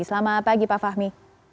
selamat pagi pak fahmi